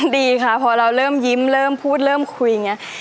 ดีค่ะพอเราเริ่มยิ้มเริ่มพูดเริ่มคุยอย่างนี้